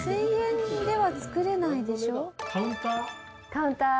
カウンター？